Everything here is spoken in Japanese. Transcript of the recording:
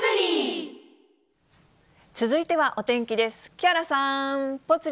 続いてはお天気です。